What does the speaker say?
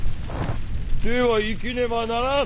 では生きねばならん！